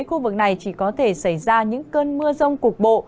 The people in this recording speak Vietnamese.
khu vực này chỉ có thể xảy ra những cơn mưa rông cục bộ